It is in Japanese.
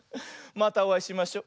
またおあいしましょ。